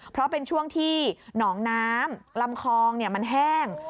เพราะเป็นช่วงที่หนองน้ำลำคลองมันแห้ง